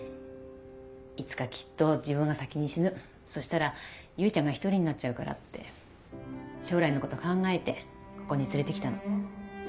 いつかきっと自分が先に死ぬそしたら結ちゃんが独りになっちゃうからって将来のこと考えてここに連れてきたの。